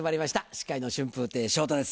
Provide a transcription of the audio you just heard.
司会の春風亭昇太です